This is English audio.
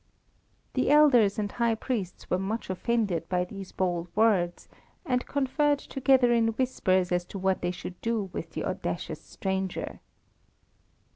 The elders and high priests were much offended by these bold words, and conferred together in whispers as to what they should do with the audacious stranger.